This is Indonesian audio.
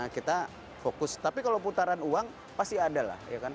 kita fokus tapi kalau putaran uang pasti ada lah